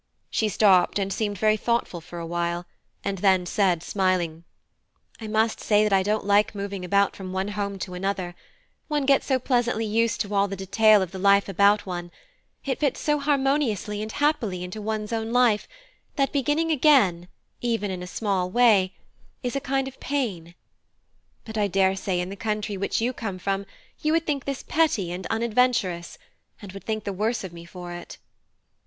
She stopped and seemed very thoughtful for awhile, and then said smiling: "I must say that I don't like moving about from one home to another; one gets so pleasantly used to all the detail of the life about one; it fits so harmoniously and happily into one's own life, that beginning again, even in a small way, is a kind of pain. But I daresay in the country which you come from, you would think this petty and unadventurous, and would think the worse of me for it."